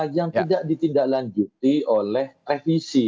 yang tidak ditindaklanjuti oleh revisi